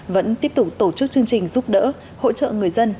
vẫn tiếp tục tổ chức chương trình giúp đỡ hỗ trợ người dân